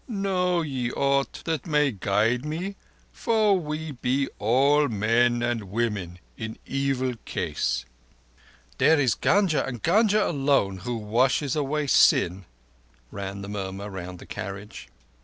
Know ye aught that may guide me, for we be all men and women in evil case." "There is Gunga—and Gunga alone—who washes away sin." ran the murmur round the carriage.